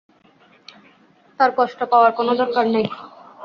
তাঁর কষ্ট পাওয়ার কোনো দরকার নেই।